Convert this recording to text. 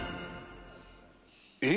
えっ！